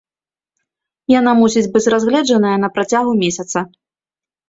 Яна мусіць быць разгледжаная на працягу месяца.